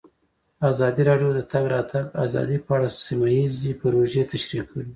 ازادي راډیو د د تګ راتګ ازادي په اړه سیمه ییزې پروژې تشریح کړې.